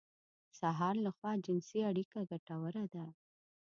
د سهار لخوا جنسي اړيکه ګټوره ده.